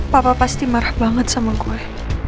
papa pasti marah banget sama gue